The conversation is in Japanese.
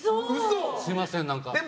すみません、何か。